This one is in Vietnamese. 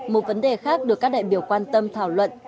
một vấn đề khác được các đại biểu quan tâm thảo luận